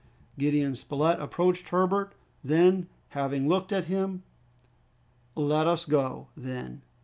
Gideon Spilett approached Herbert; then, having looked at him, "Let us go, then!"